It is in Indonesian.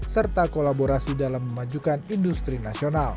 serta kolaborasi dalam memajukan industri nasional